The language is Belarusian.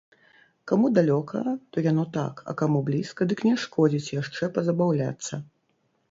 Каму далёка, то яно так, а каму блізка, дык не шкодзіць яшчэ пазабаўляцца.